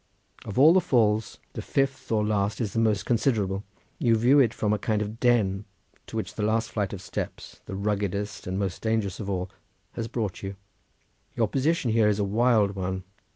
Of all the falls the fifth or last is the most considerable: you view it from a kind of den, to which the last flight of steps, the ruggedest and most dangerous of all, has brought you; your position here is a wild one.